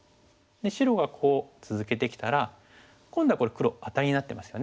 で白がこう続けてきたら今度はこれ黒アタリになってますよね。